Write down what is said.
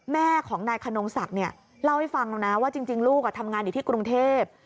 แม่ของนายขนงศักดิ์เล่าให้ฟังแล้วนะว่าจริงลูกทำงานอยู่ที่กรุงเทพ